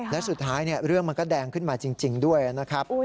และสุดท้ายเรื่องมันก็แดงขึ้นมาจริงด้วยนะครับ